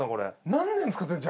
何年使ってんの？